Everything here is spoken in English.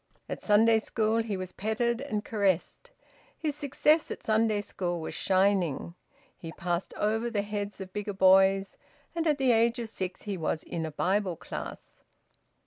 At Sunday school he was petted and caressed. His success at Sunday school was shining. He passed over the heads of bigger boys, and at the age of six he was in a Bible class.